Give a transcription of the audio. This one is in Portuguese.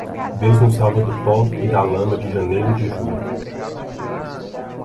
Deus nos salva do pó e da lama de janeiro de julho.